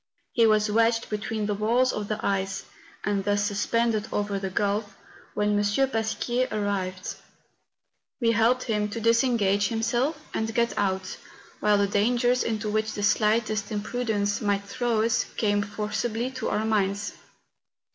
He was wedged between the walls of ice, and thus suspended over the gulf, when M. Pasquier arrived. We helped him to disengage THE BRECHE DE ROLAND. 125 himself and get out, while the dangers into which the slightest imprudence might throw us came for¬ cibly to our minds.